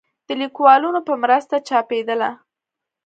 د ليکوالانو په مرسته چاپېدله